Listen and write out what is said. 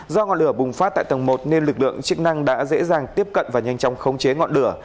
do ngọn lửa bùng phát tại tầng một nên lực lượng chức năng đã dễ dàng tiếp cận và nhanh chóng khống chế ngọn lửa